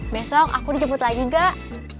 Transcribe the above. besok aku dijemput lagi gak